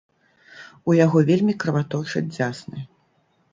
У яго вельмі крываточаць дзясны.